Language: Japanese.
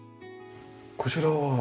こちらは？